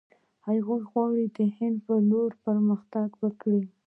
هغه غواړي د هند پر لور پرمختګ وکړي.